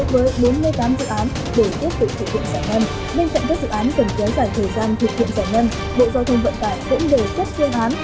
bên cạnh các dự án cần kéo dài thời gian thực hiện giải ngân bộ giao thông vận tải cũng đề xuất kéo dài khoảng bảy trăm bốn mươi chín tỷ đồng không giải ngân hết của năm mươi tám dự án